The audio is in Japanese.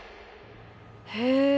へえ。